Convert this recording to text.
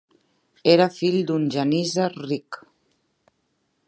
Era fill d'un genísser ric.